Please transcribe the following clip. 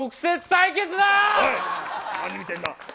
直接対決だ！